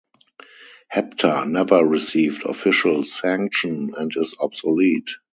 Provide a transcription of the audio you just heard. "Hepta" never received official sanction and is obsolete.